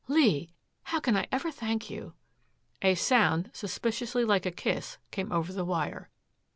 "Lee, how can I ever thank you?" A sound suspiciously like a kiss came over the wire.